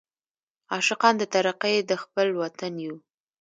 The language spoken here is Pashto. عاشقان د ترقۍ د خپل وطن یو.